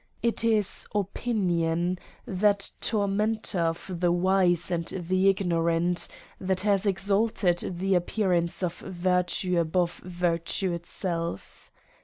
It is opinion, that tormentor of the wise and the igno rant, that has exalted the appearance of virtue above virtue itself.